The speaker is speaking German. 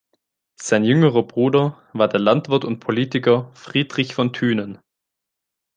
Sein jüngerer Bruder war der Landwirt und Politiker Friedrich von Thünen.